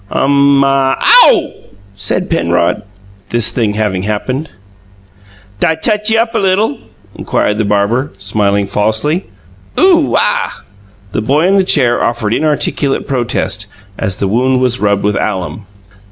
"Um muh OW!" said Penrod, this thing having happened. "D' I touch y' up a little?" inquired the barber, smiling falsely. "Ooh UH!" The boy in the chair offered inarticulate protest, as the wound was rubbed with alum.